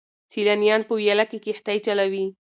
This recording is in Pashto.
سیلانیان په ویاله کې کښتۍ چلوي.